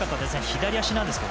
左足なんですが。